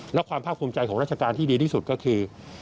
และความภาคภูมิใจของราชการที่ดีที่สุดก็คือ